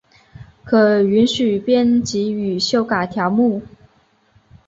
可允许编辑与修改条目。